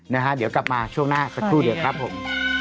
นะฮะเดี๋ยวกลับมาช่วงหน้าสักครู่เดียวครับผม